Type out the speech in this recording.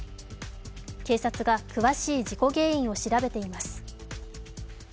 警察が詳しい事故原因を調べています。